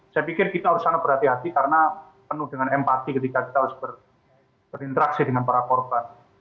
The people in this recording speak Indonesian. saya pikir kita harus sangat berhati hati karena penuh dengan empati ketika kita harus berinteraksi dengan para korban